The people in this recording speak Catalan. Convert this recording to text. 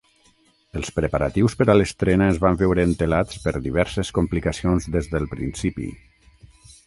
Els preparatius per a l'estrena es van veure entelats per diverses complicacions des del principi.